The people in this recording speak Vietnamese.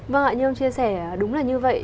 vâng ạ như ông chia sẻ đúng là như vậy